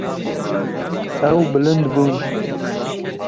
Ew bilind bûn.